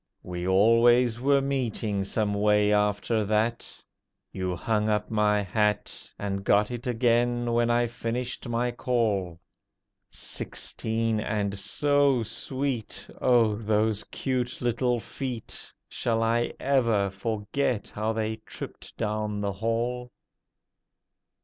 We always were meeting some way after that. You hung up my hat, And got it again, when I finished my call. Sixteen, and so sweet! Oh, those cute little feet! Shall I ever forget how they tripped down the hall?